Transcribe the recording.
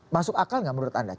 masuk akal nggak menurut anda